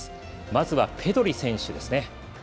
まずは、ペドリ選手ですね。